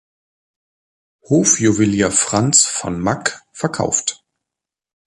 Hofjuwelier Franz von Mack verkauft.